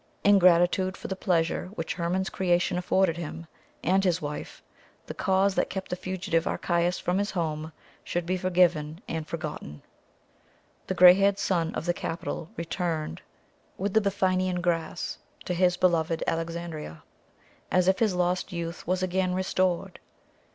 In gratitude for the pleasure which Hermon's creation afforded him and his wife, the cause that kept the fugitive Archias from his home should be forgiven and forgotten. The gray haired son of the capital returned with the Bithynian Gras to his beloved Alexandria, as if his lost youth was again restored.